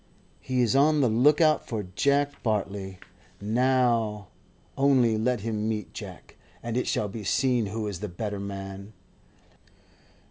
He is on the look out for Jack Bartley now; only let him meet Jack, and it shall be seen who is the better man.